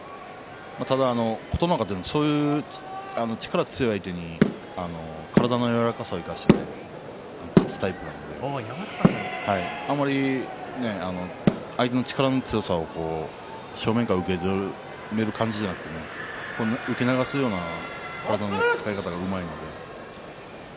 ただ琴ノ若、力が強い相手に体の柔らかさを生かして勝つタイプなのであまり相手の力の強さを正面から受け止める感じではなくて受け流すような体の使い方がうまいので。